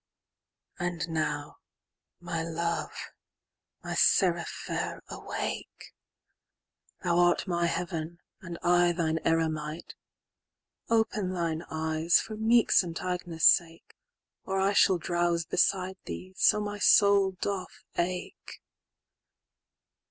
—"And now, my love, my seraph fair, awake!"Thou art my heaven, and I thine eremite:"Open thine eyes, for meek St. Agnes' sake,"Or I shall drowse beside thee, so my soul doth ache."